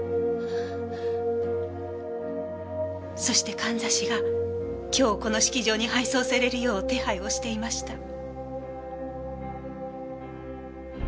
そしてかんざしが今日この式場に配送されるよう手配をしていました。